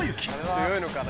強いのかな？